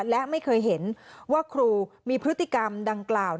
และไม่เคยเห็นว่าครูมีพฤติกรรมดังกล่าว